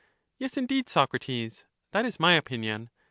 Yes, indeed, Socrates; that is my opinion.